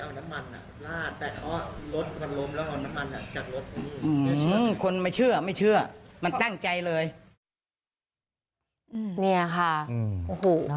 เขาบอกว่าเขาไม่ได้เอาน้ำมันลาด